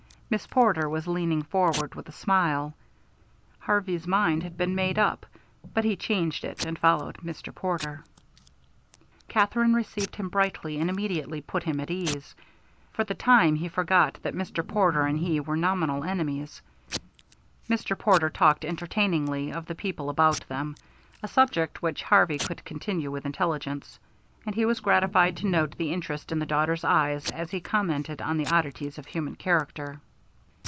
Miss Porter was leaning forward with a smile. Harvey's mind had been made up, but he changed it and followed Mr. Porter. Katherine received him brightly and immediately put him at ease. For the time he forgot that Mr. Porter and he were nominal enemies. Mr. Porter talked entertainingly of the people about them, a subject which Harvey could continue with intelligence; and he was gratified to note the interest in the daughter's eyes as he commented on the oddities of human character.